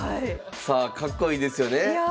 さあかっこいいですよね真部先生。